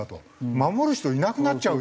守る人いなくなっちゃうよと。